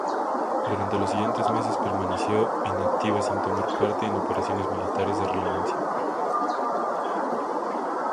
Durante los siguientes meses permaneció inactiva, sin tomar parte en operaciones militares de relevancia.